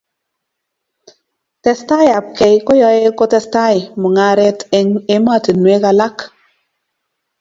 testai ab kei koyae ko testai mungaret eng' ematinwek alak